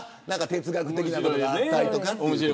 哲学的な部分があったりとか。